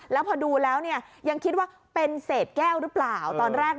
แล้วพอดูแล้วยังคิดว่าเป็นเศษแก้วหรือเปล่าตอนแรก